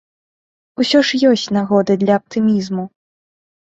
Усё ж ёсць нагоды для аптымізму.